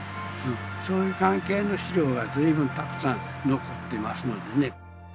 そういう関係の資料が随分たくさん残ってますのでね。